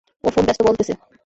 ওর phone ব্যস্ত বলতেছে।